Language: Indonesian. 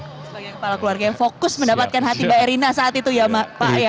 sebagai kepala keluarga yang fokus mendapatkan hati mbak erina saat itu ya pak ya